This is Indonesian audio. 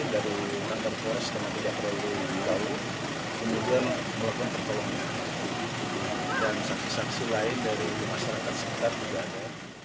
dan saksi saksi lain dari masyarakat sekejap juga ada